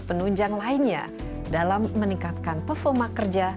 penunjang lainnya dalam meningkatkan performa kerja